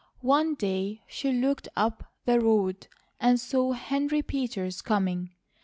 One day she looked up the road and saw Henry Peters coming.